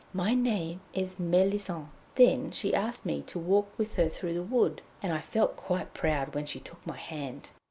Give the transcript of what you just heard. My name is Méllisande." Then she asked me to walk with her through the wood, and I felt quite proud when she took my hand.